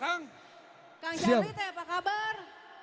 kang charlie tadi apa kabar